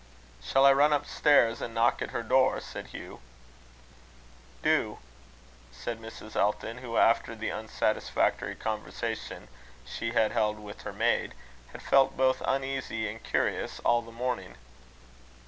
"Shall I run up stairs, and knock at her door?" said Hugh. "Do," said Mrs. Elton, who, after the unsatisfactory conversation she had held with her maid, had felt both uneasy and curious, all the morning.